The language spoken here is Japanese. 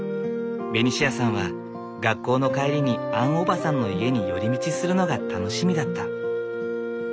ベニシアさんは学校の帰りにアンおばさんの家に寄り道するのが楽しみだった。